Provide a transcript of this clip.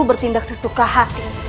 bertindak sesuka hati